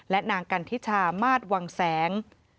และนางกันทิชามาสวังแสง